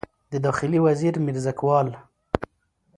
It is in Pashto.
د داخلي وزیر میرزکوال